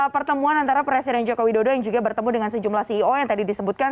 pertemuan antara presiden joko widodo yang juga bertemu dengan sejumlah ceo yang tadi disebutkan